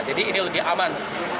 jadi ini lebih aman